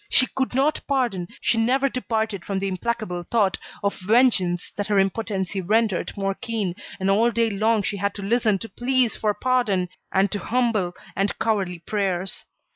She could not pardon, she never departed from the implacable thought of vengeance that her impotency rendered more keen, and all day long she had to listen to pleas for pardon, and to humble and cowardly prayers.